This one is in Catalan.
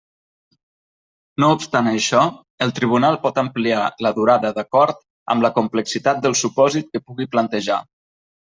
No obstant això, el Tribunal pot ampliar la durada d'acord amb la complexitat del supòsit que pugui plantejar.